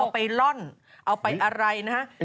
ไปล่อนเอาไปอะไรนะฮะ